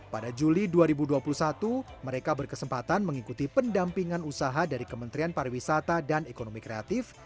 pada juli dua ribu dua puluh satu mereka berkesempatan mengikuti pendampingan usaha dari kementerian pariwisata dan ekonomi kreatif